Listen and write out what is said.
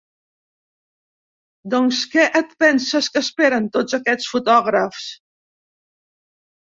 Doncs què et penses que esperen, tots aquests fotògrafs?